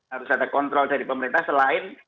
harus ada kontrol dari pemerintah selain